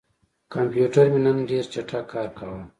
کمپیوټر مې نن ډېر چټک کار کاوه.